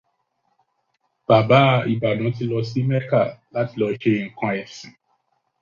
Bàbá Ìbàdàn tí lọ sí mẹ́kà láti lọ ṣe nǹkan ẹ̀sìn.